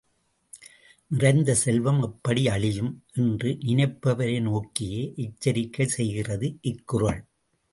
நிறைந்த செல்வம் எப்படி அழியும்? என்று நினைப்பவரை நோக்கியே எச்சரிக்கை செய்கிறது இக்குறள்.